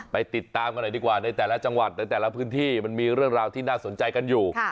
ไปติดตามกันหน่อยดีกว่าในแต่ละจังหวัดในแต่ละพื้นที่มันมีเรื่องราวที่น่าสนใจกันอยู่